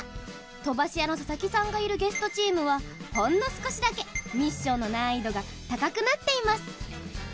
飛ばし屋の佐々木さんがいるゲストチームはほんの少しだけミッションの難易度が高くなっています。